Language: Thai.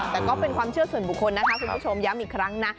แต่ก็เป็นความเชื่อส่วนบุคคลนะคะคุณผู้ชมย้ำอีกครั้งนะ